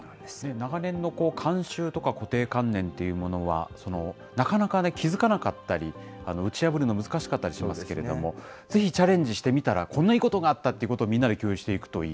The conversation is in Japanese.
長年の慣習とか固定観念というものは、なかなか気付かなかったり、打ち破るの難しかったりしますけれども、次チャレンジしてみたらこんないいことがあったと、みんなで共有